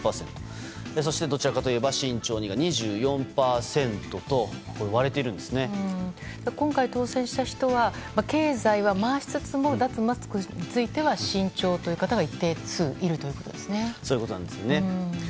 そして、どちらかといえば慎重にが２４％と今回当選した人は経済は回すが脱マスクについては慎重という方が一定数いるということですね。